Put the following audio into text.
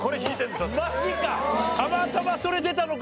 たまたまそれ出たのか。